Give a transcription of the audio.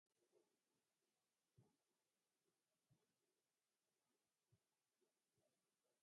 There were several strands of influences that affected this movement.